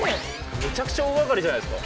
めちゃくちゃ大がかりじゃないですか？